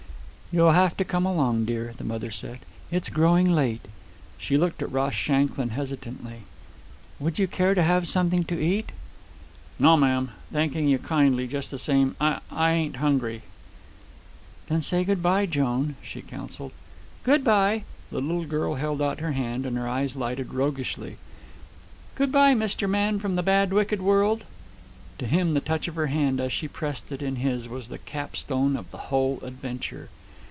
"You'll have to come along, dear," the mother said. "It's growing late." She looked at Ross Shanklin hesitantly. "Would you care to have something to eat?" "No, ma'am, thanking you kindly just the same. I ... I ain't hungry." "Then say good bye, Joan," she counselled. "Good bye." The little girl held out her hand, and her eyes lighted roguishly. "Good bye, Mr. Man from the bad, wicked world." To him, the touch of her hand as he pressed it in his was the capstone of the whole adventure.